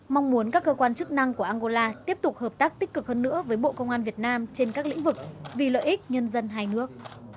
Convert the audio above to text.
mong muốn các cơ quan chức năng của angola tiếp tục hợp tác tích cực hơn nữa với bộ công an việt nam trên các lĩnh vực vì lợi ích nhân dân hai nước